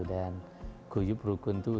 dan huyub rukun tuh